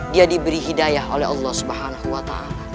dia diberi hidayah oleh allah swt